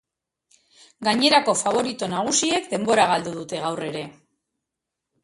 Gainerako faborito nagusiek denbora galdu dute gaur ere.